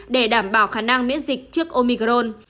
để đảm bảo khả năng miễn dịch trước omicron